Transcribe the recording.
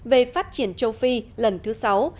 về phát triển châu phi lần thứ sáu